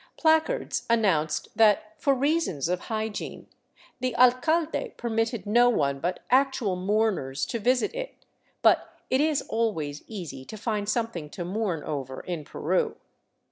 Pla cards announced that " for reasons of hygiene " the alcalde permitted no one but actual mourners to visit it; but it is always easy to find something to mourn over in Peru.